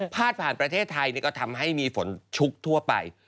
ผ่านประเทศไทยก็ทำให้มีฝนชุกทั่วไป